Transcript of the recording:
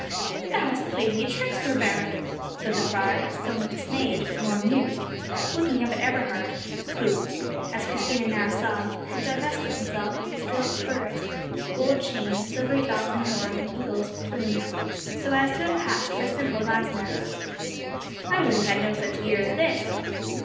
"Thou hast played me a trick, Sir Baron!" said the friar, somewhat dismayed, but more amused, looking up at Eberhard, who, as Christina now saw, had divested himself of his gilt spurs, gold chain, silvered belt and horn, and eagle's plume, so as to have passed for a simple lanzknecht. "I would have had no such gear as this!"